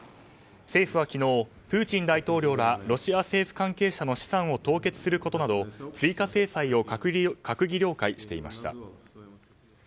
政府は昨日プーチン大統領らロシア政府関係者の資産を凍結することなど追加制裁を閣議了解していました。